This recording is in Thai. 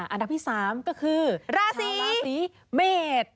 อันดับที่๓ก็คือราศีเมษ